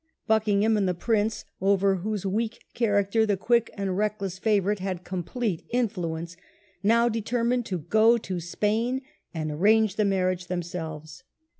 Buckingham and the Prince, over whose weak character the quick and reckless favourite had complete influence, now determined to go to Spain and arrange the marriage themselves.